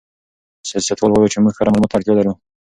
سیاستوال وویل چې موږ کره معلوماتو ته اړتیا لرو.